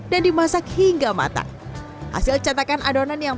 dan dimasak hingga matang hasil catakan adonan yang